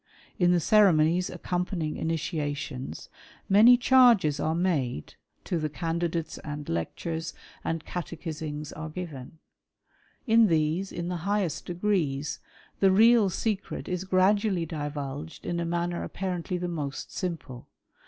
In the ceremonies accompanying initiations, many charges are made to 1 32 WAR or ANTICHRIST WITH THE CHURCH. the candidates and lectures and catechisings are given. In these, in the highest degrees, the real secret is gradually divulged in a manner apparently the most simple.